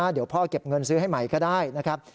เดี๋ยวพ่อเก็บเงินซื้อให้ใหม่ก็ได้นะครับ